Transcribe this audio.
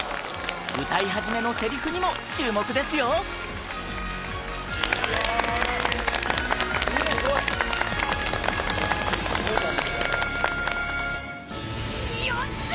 歌い始めのせりふにも注目ですよよっしゃ！